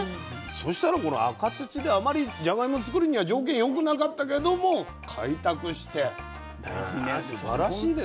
そしたらこの赤土であまりじゃがいもを作るには条件よくなかったけども開拓してねすばらしいですね。